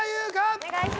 お願いします